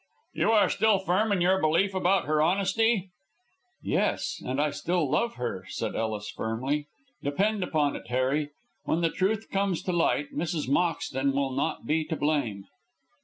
"You are still firm in your belief about her honesty?" "Yes; and I still love her," said Ellis, firmly. "Depend upon it, Harry, when the truth comes to light, Mrs. Moxton will not be to blame."